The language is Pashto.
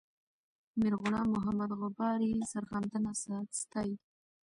میرغلام محمد غبار یې سرښندنه ستایي.